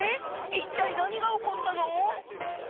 一体何が起こったの？